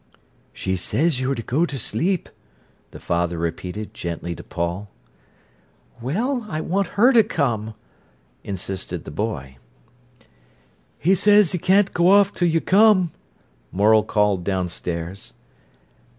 "She says you're to go to sleep," the father repeated gently to Paul. "Well, I want her to come," insisted the boy. "He says he can't go off till you come," Morel called downstairs.